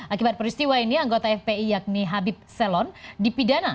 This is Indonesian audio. akibat peristiwa ini anggota fpi yakni habib selon dipidana